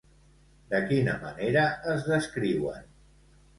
De quina manera es descriuen?